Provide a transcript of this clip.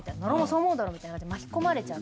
野呂もそう思うだろ！みたいに。